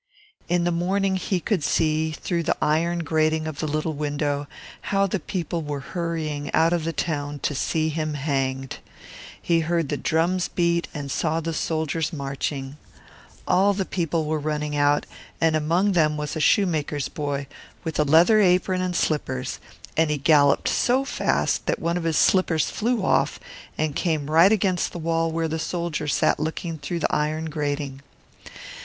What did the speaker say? In the morning he could see through the iron grating of the little window how the people were hastening out of the town to see him hanged; he heard the drums beating, and saw the soldiers marching. Every one ran out to look at them, and a shoemaker's boy, with a leather apron and slippers on, galloped by so fast, that one of his slippers flew off and struck against the wall where the soldier sat looking through the iron grating.